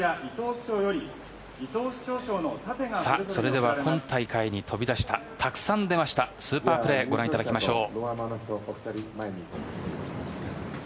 それでは今大会に飛び出したたくさん出ましたスーパープレーご覧いただきましょう。